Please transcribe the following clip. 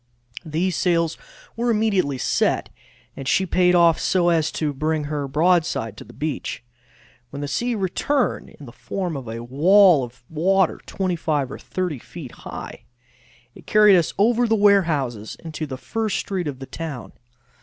These sails were immediately set, and she payed off so as to bring her broadside to the beach. When the sea returned, in the form of a wall of water 25 or 30 feet high, it carried us over the warehouses into the first street of the town.